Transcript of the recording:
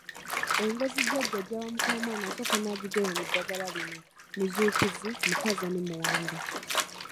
Engozi jajja gy’awa mukamwana asooka n’agigoya mu ddagala lino; muzuukizi, mukaza ne muwanga.